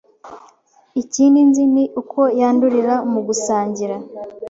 Ikindi nzi ni uko yandurira mu gusangira”.